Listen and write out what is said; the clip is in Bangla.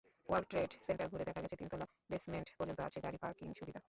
ওয়ার্ল্ড ট্রেড সেন্টার ঘুরে দেখা গেছে, তিনতলা বেসমেন্ট পর্যন্ত আছে গাড়ি পার্কিং সুবিধা।